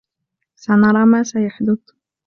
سنرى ما سيحدث.